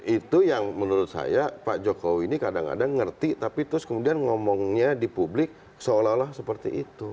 itu yang menurut saya pak jokowi ini kadang kadang ngerti tapi terus kemudian ngomongnya di publik seolah olah seperti itu